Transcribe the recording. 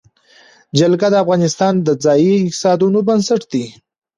جلګه د افغانستان د ځایي اقتصادونو بنسټ دی.